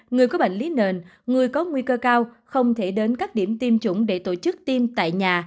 người có bệnh lý nền người có nguy cơ cao không thể đến các điểm tiêm chủng để tổ chức tiêm tại nhà